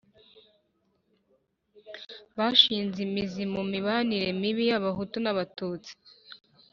bwashinze imizi mu mibanire mibi y'Abahutu n'Abatutsi